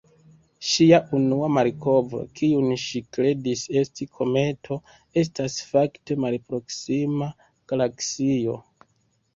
Ŝia unua malkovro, kiun ŝi kredis esti kometo, estas fakte malproksima galaksio.